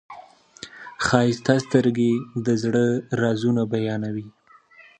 ښایسته سترګې د زړه رازونه بیانوي.